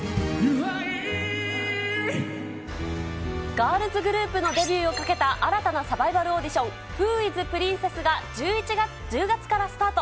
ガールズグループのデビューをかけた新たなサバイバルオーディション、フー・イズ・プリンセス？が１０月からスタート。